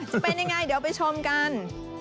จะเป็นยังไงเดี๋ยวไปชมกัน